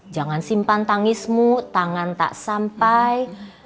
jangan simpan tangismu tangan tak sampai